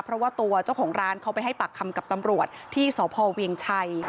เพราะว่าตัวเจ้าของร้านเขาไปให้ปากคำกับตำรวจที่สพเวียงชัย